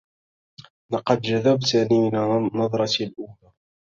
لقد جذبتني من النظرة الأولى.